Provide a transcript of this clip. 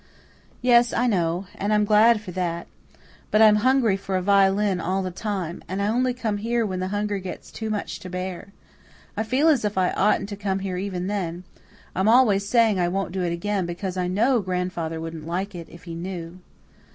"Yes, I know. And I'm glad for that. But I'm hungry for a violin all the time. And I only come here when the hunger gets too much to bear. I feel as if I oughtn't to come even then I'm always saying I won't do it again, because I know grandfather wouldn't like it, if he knew."